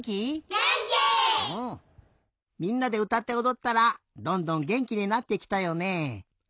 みんなでうたっておどったらどんどんげんきになってきたよねえ。